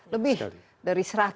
lebih dari seratus